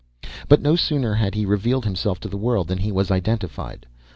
But no sooner had he revealed himself to the world than he was identified.